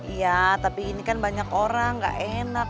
iya tapi ini kan banyak orang gak enak